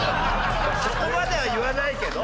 そこまでは言わないけど。